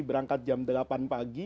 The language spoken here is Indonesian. berangkat jam delapan pagi